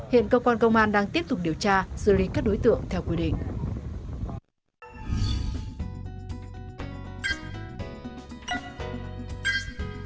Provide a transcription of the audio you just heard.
hiện cơ quan công an đang tiếp tục điều tra xử lý các đối tượng theo quy định